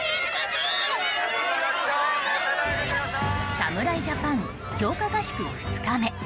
侍ジャパン強化合宿２日目。